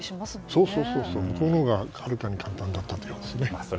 そっちのほうがはるかに簡単だったようですね。